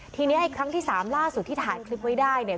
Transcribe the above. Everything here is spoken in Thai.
ทีนี้ไอ้ครั้งที่สามล่าสุดที่ถ่ายคลิปไว้ได้เนี่ย